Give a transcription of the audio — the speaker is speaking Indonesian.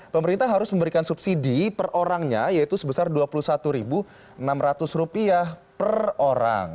pemerintah harus memberikan subsidi per orangnya yaitu sebesar rp dua puluh satu enam ratus per orang